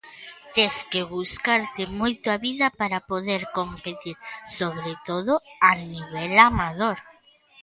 Tes que buscarte moito a vida para poder competir, sobre todo a nivel amador.